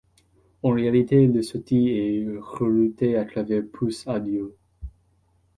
En réalité, leur sortie est reroutée à travers PulseAudio.